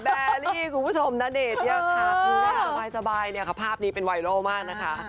แต่แบร์รี่คุณผู้ชมนาเดชน์เนี่ยค่ะคือแบบไหว้สบายเนี่ยค่ะภาพนี้เป็นไวโลมากนะคะ